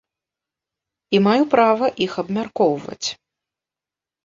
І маю права іх абмяркоўваць.